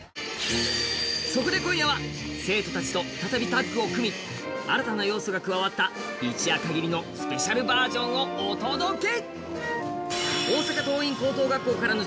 そこで今夜は生徒たちと再びタッグを組み新たな要素が加わった一夜かぎりのスペシャルバージョンをお届け！